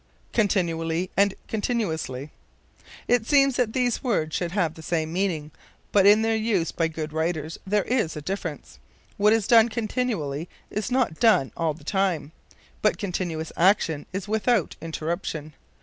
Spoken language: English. Continually and Continuously. It seems that these words should have the same meaning, but in their use by good writers there is a difference. What is done continually is not done all the time, but continuous action is without interruption.